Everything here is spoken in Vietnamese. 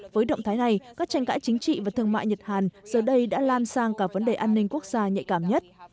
với động thái này các tranh cãi chính trị và thương mại nhật hàn giờ đây đã lan sang cả vấn đề an ninh quốc gia nhạy cảm nhất